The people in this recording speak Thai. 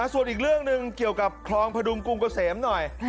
ส่วนอีกเรื่องหนึ่งเกี่ยวกับคลองพดุงกรุงเกษมหน่อย